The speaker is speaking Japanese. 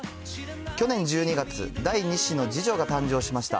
去年１２月、第２子の次女が誕生しました。